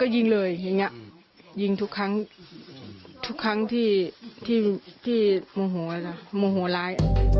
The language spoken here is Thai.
ยิงทุกครั้งที่โมโหร้าย